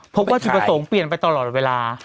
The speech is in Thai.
วัตถุประสงค์เปลี่ยนไปตลอดเวลา